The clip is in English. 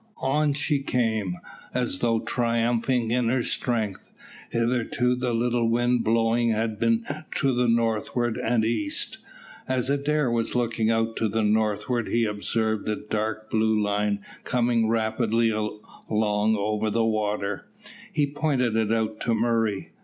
On she came, as though triumphing in her strength. Hitherto the little wind blowing had been to the northward and east. As Adair was looking out to the northward, he observed a dark blue line coming rapidly along over the water. He pointed it out to Murray.